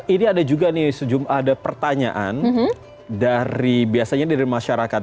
ini ada juga nih sejumlah ada pertanyaan dari biasanya dari masyarakat